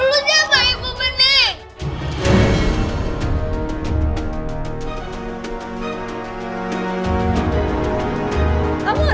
na jangan gitu na